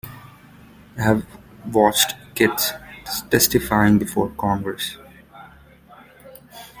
I have watched kids testifying before Congress.